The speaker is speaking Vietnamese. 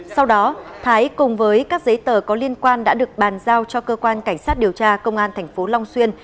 sau đó thái cùng với các giấy tờ có liên quan đã được bàn giao cho cơ quan cảnh sát điều tra công an tp long xuyên